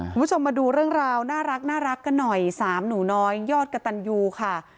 คุณผู้ชมมาดูเรื่องราวน่ารักกันหน่อยสามหนูน้อยยอดกระตันยูค่ะ